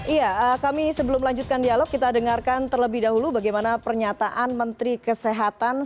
iya kami sebelum melanjutkan dialog kita dengarkan terlebih dahulu bagaimana pernyataan menteri kesehatan